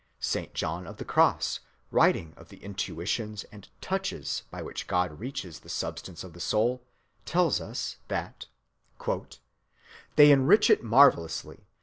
Saint John of the Cross, writing of the intuitions and "touches" by which God reaches the substance of the soul, tells us that— "They enrich it marvelously.